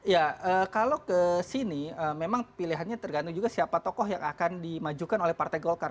ya kalau ke sini memang pilihannya tergantung juga siapa tokoh yang akan dimajukan oleh partai golkar